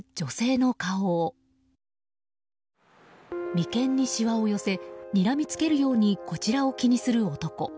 眉間にしわを寄せにらみつけるようにこちらを気にする男。